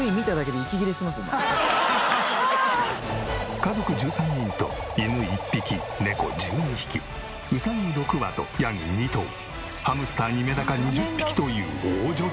家族１３人と犬１匹猫１２匹うさぎ６羽とヤギ２頭ハムスターにメダカ２０匹という大所帯。